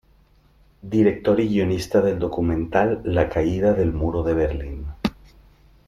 Director y guionista del documental "La caída del muro de Berlín.